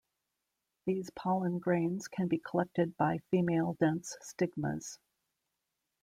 These pollen grains can be collected by female dense stigmas.